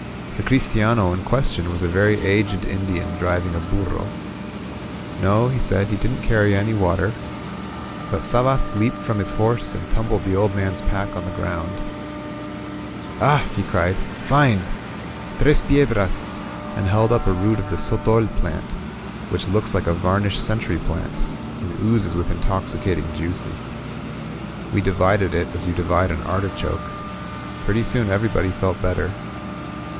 The christiano in ques tion was a very aged Indian driving a burro. No, he said, he didn't carry any water. But Sabas leaped from his horse and tumbled the old man's pack on the ground. "Ah!" he cried; "fine! Tres piedrcu!*^ and held up a root of the sotol plant, which looks like a varnished century plant, and oozes with intoxicating juices. We divided it as you divide an artichoke. Pretty soon everybody felt better.